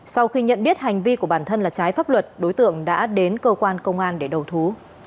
sau khi nhận biết hành vi của bản thân là trái pháp luật đối tượng đã đến cơ quan công an để đầu thú